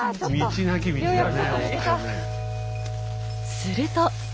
すると。